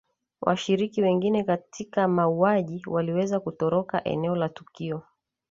Washiriki wengine katika mauaji waliweza kutoroka eneo la tukio